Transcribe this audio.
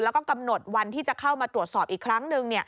แล้วก็กำหนดวันที่จะเข้ามาตรวจสอบอีกครั้งหนึ่ง